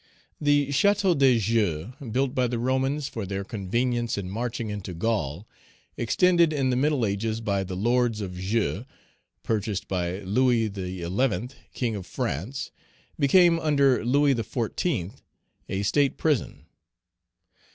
The Château de Joux, built by the Romans, for their convenience in marching into Gaul, extended in the Middle Ages by the Lords of Joux, purchased by Louis XI., king of France, became under Louis XIV. a state prison.